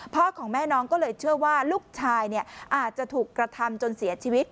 ของแม่น้องก็เลยเชื่อว่าลูกชายอาจจะถูกกระทำจนเสียชีวิต